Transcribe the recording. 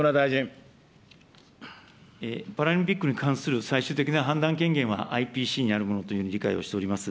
パラリンピックに関する最終的な判断権限は、ＩＰＣにあるものというふうに理解をしております。